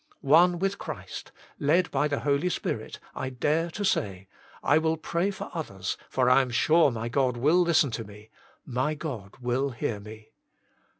One with Christ, led by the Holy Spirit, I dare to say :" I will pray for others, for I am sure my God will listen to me : My God will hear me.